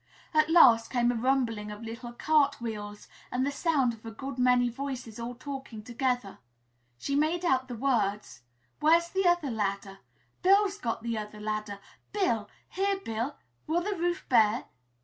At last came a rumbling of little cart wheels and the sound of a good many voices all talking together. She made out the words: "Where's the other ladder? Bill's got the other Bill! Here, Bill! Will the roof bear?